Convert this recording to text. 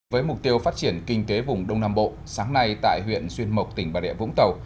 với mục tiêu phát triển kinh tế vùng đông nam bộ sáng nay tại huyện xuyên mộc tỉnh bà địa vũng tàu